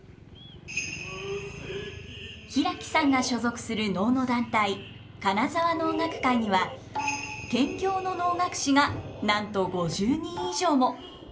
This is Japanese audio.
平木さんが所属する能の団体金沢能楽会には兼業の能楽師がなんと５０人以上も。